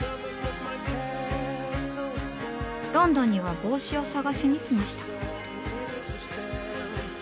ロンドンには帽子を探しにきました。